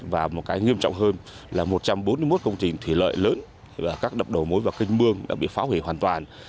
và một cái nghiêm trọng hơn là một trăm bốn mươi một công trình thủy lợi lớn và các đập đồ mối và kênh mương đã bị phá hủy hoàn toàn